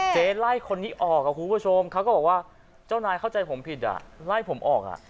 ไล่คนนี้ออกคุณผู้ชมเขาก็บอกว่าเจ้านายเข้าใจผมผิดอ่ะไล่ผมออกอ่ะ